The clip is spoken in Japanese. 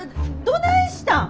どないしたん？